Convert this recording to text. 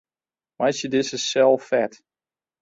Meitsje dizze sel fet.